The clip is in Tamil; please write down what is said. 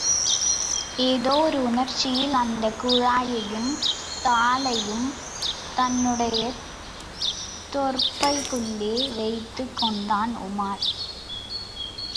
ஏதோ ஒரு உணர்ச்சியில், அந்தக் குழாயையும் தாளையும், தன்னுடைய தோற்பைக்குள்ளே வைத்துக் கொண்டான் உமார்.